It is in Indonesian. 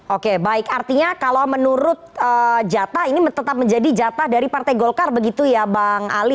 oke baik artinya kalau menurut jata ini tetap menjadi jatah dari partai golkar begitu ya bang ali